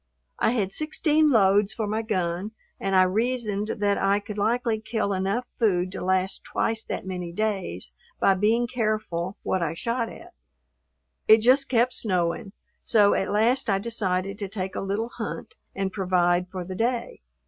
I had sixteen loads for my gun and I reasoned that I could likely kill enough food to last twice that many days by being careful what I shot at. It just kept snowing, so at last I decided to take a little hunt and provide for the day.